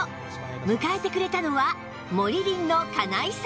迎えてくれたのはモリリンの金井さん